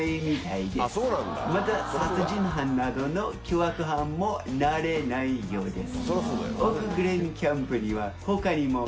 また殺人犯などの凶悪犯もなれないようです。